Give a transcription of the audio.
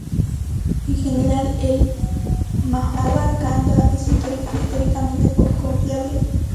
En general, el "Mahoba-Khanda" es un texto históricamente poco confiable.